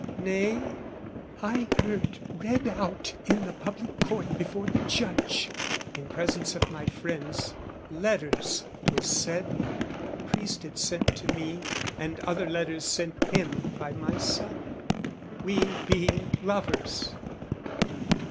Nay, I heard read out in the public court Before the judge, in presence of my friends, Letters 'twas said the priest had sent to me, And other letters sent him by myself, We being lovers!